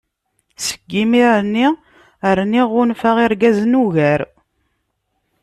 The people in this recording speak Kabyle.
Seg yimir-nni rniɣ ɣunfaɣ irgazen ugar.